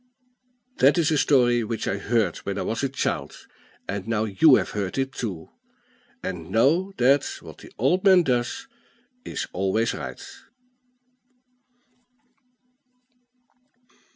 That is a story which I heard when I was a child; and now you have heard it too, and know that "What the old man does is always right."